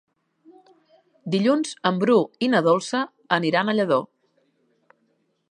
Dilluns en Bru i na Dolça aniran a Lladó.